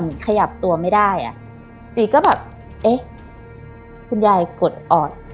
มันขยับตัวไม่ได้อ่ะจีก็แบบเอ๊ะคุณยายกดออด